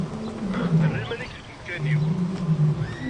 Err iman-ik deg umkan-iw.